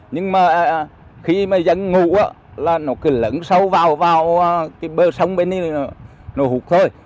nhưng mà khi mà dân ngủ là nó cứ lấn sâu vào vào cái bờ sông bên thì nó hút thôi